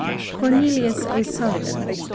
Cornelius O'Sullivan (b.